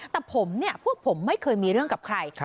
แต่ผมเนี่ยพวกผมไม่เคยมีเรื่องกับใคร